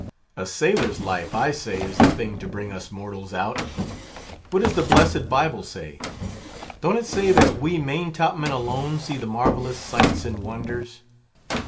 A sailor's life, I say, is the thing to bring us mortals out. What does the blessed Bible say? Don't it say that we main top men alone see the marvellous sights and wonders?